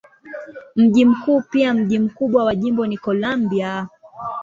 Mji mkuu pia mji mkubwa wa jimbo ni Columbia.